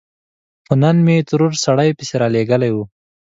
خو نن مې ترور سړی پسې رالېږلی و.